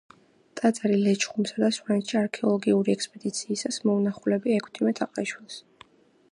ტაძარი ლეჩხუმსა და სვანეთში არქეოლოგიური ექსპედიციისას მოუნახულებია ექვთიმე თაყაიშვილს.